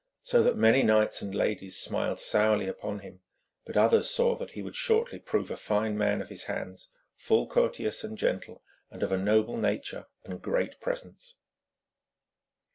So that many knights and ladies smiled sourly upon him, but others saw that he would shortly prove a fine man of his hands, full courteous and gentle, and of a noble nature and great presence.